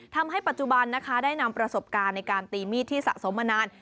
ทำให้ปัจจุบันนะคะได้นำประสบการณ์ในการตีมีดที่สะสมมานาน